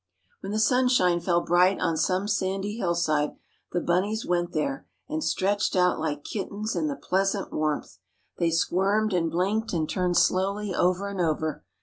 When the sunshine fell bright on some sandy hillside the bunnies went there, and stretched out like kittens in the pleasant warmth. They squirmed and blinked and turned slowly over and over.